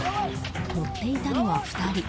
乗っていたのは２人。